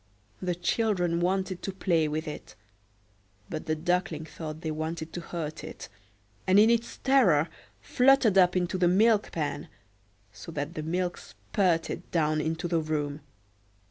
The children wanted to play with it; but the Duckling thought they wanted to hurt it, and in its terror fluttered up into the milk pan, so that the milk spurted down into the room.